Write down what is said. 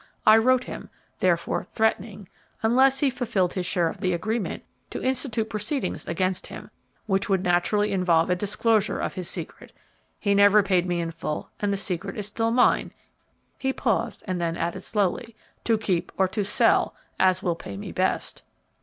I wrote him, therefore, threatening, unless he fulfilled his share of the agreement, to institute proceedings against him, which would naturally involve a disclosure of his secret. He never paid me in full and the secret is still mine," he paused, then added slowly, "to keep or to sell, as will pay me best."